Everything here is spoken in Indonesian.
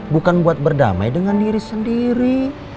bukan buat berdamai dengan diri sendiri